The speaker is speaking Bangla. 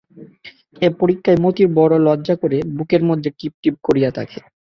এ পরীক্ষায় মতির বড় লজ্জা করে, বুকের মধ্যে টিপটিপ করিতে থাকে।